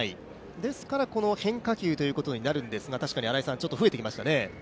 ですから、この変化球ということになるんですが確かに増えてきましたね。